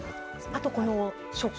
あとこの食感。